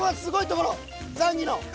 ザンギの。